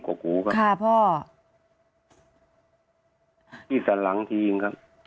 ขออภัยนะครับ